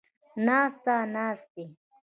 ناسته ، ناستې